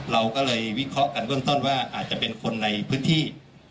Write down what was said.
เราก็เลยวิเคราะห์กันเบื้องต้นว่าอาจจะเป็นคนในพื้นที่